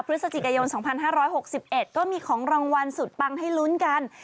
พฤศจิกายน๒๕๖๑ก็มีของรางวัลสุดปังให้ลุ้นกัน